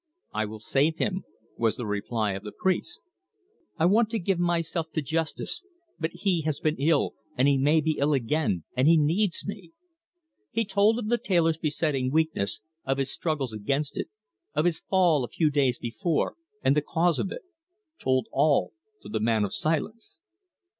"I will save him," was the reply of the priest. "I want to give myself to justice; but he has been ill, and he may be ill again, and he needs me." He told of the tailor's besetting weakness, of his struggles against it, of his fall a few days before, and the cause of it... told all to the man of silence.